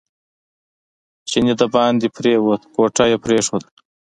چینی دباندې پرېوت کوټه یې پرېښوده.